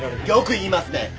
よく言いますね。